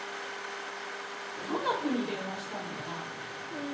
どんなふうに電話したのかな？